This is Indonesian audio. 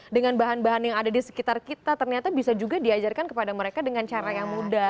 dengan bahan bahan yang ada di sekitar kita ternyata bisa juga diajarkan kepada mereka dengan cara yang mudah